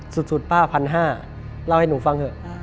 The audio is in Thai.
ป้า๑๕๐๐เล่าให้หนูฟังเถอะ